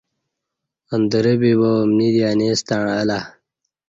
اندرہ بِبیا امنی دی انی ستݩع الہ